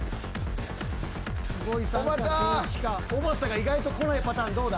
おばたが意外と来ないパターンどうだ？